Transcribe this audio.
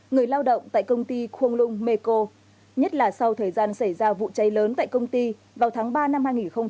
người lao động tại công ty công lung mê công nhất là sau thời gian xảy ra vụ cháy lớn tại công ty vào tháng ba năm hai nghìn một mươi bảy